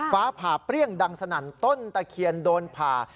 ฟ้าผ่าเปรี้ยงดังสนั่นต้นตะเคียนโดนผ่า